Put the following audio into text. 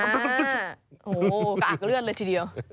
โอ้โหกระอักเลือดเลยทีเดียว